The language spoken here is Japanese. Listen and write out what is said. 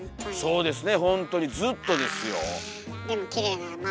そうですね。